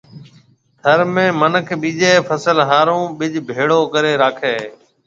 ٿر ۾ منک ٻيجيَ فصل ھارو ٻِج ڀيݪو ڪرَي راکيَ ھيََََ